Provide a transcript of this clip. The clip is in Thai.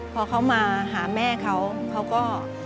พอเขามาหาแม่เขาเขาก็